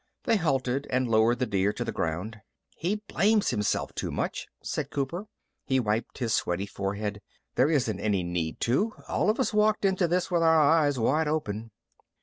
They halted and lowered the deer to the ground. "He blames himself too much," said Cooper. He wiped his sweaty forehead. "There isn't any need to. All of us walked into this with our eyes wide open."